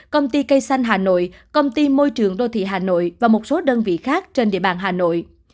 công ty cây xanh hà nội công ty môi trường đô thị hà nội và một số đơn vị khác trên địa bàn hà nội